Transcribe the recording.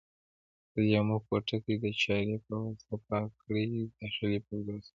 د لیمو پوټکي د چاړې په واسطه پاک کړئ د داخلي پردو څخه.